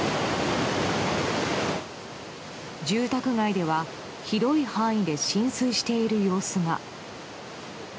住宅街では広い範囲で浸水している様子が。